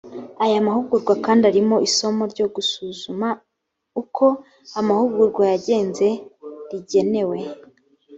aya mahugurwa kandi arimo isomo ryo gusuzuma uko amahugurwa yagenze rigenewe